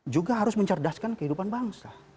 juga harus mencerdaskan kehidupan bangsa